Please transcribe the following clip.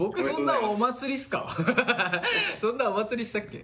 そんなお祭りしたっけ？